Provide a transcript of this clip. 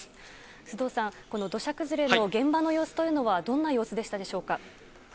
須藤さん、この土砂崩れの現場の様子というのは、どんな様子でしたでしょう